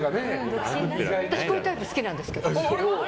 私こういうタイプ好きなんだけど。